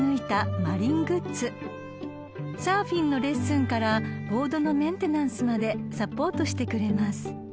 ［サーフィンのレッスンからボードのメンテナンスまでサポートしてくれます］